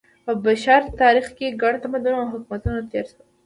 په بشر تاریخ کې ګڼ تمدنونه او حکومتونه تېر شوي.